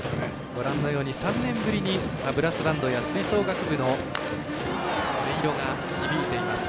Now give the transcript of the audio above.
ご覧のように３年ぶりにブラスバンドや吹奏楽の音色が響いています。